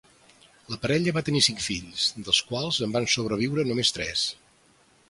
La parella va tenir cinc fills, dels quals en van sobreviure només tres.